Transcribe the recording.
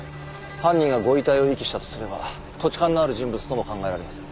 犯人がご遺体を遺棄したとすれば土地勘のある人物とも考えられます。